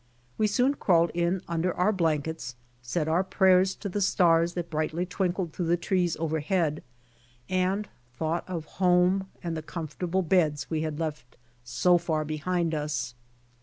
We soon crawled in under our blankets, said our prayers to the stars that brightly twinkled through tlie trees overhead, and thought of home and the comfortable beds we had left so far behind us.